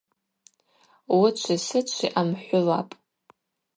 Уычви сычви амхӏвылапӏ.